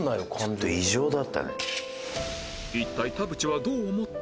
ちょっと異常だったね。